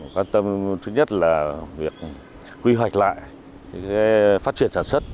quan tâm thứ nhất là việc quy hoạch lại phát triển sản xuất